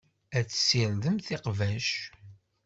Ad tessirdemt iqbac.